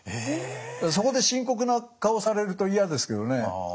そこで深刻な顔されると嫌ですけどね。